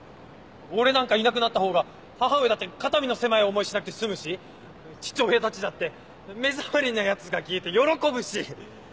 俺なんかいなくなったほうが母上だって肩身の狭い思いしなくて済むし父親たちだって目障りなヤツが消えて喜ぶし！